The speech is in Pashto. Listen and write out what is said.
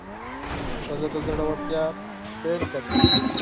ښځه د زړورتیا بیلګه ده.